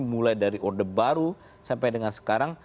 mulai dari orde baru sampai dengan sekarang